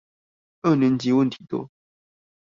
二年級問題多